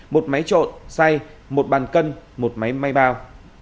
một máy trộn say một bàn cân một máy may bao